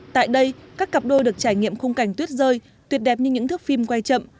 tại đây các cặp đôi được trải nghiệm khung cảnh tuyết rơi tuyệt đẹp như những thước phim quay chậm